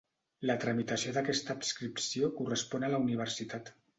La tramitació d'aquesta adscripció correspon a la universitat.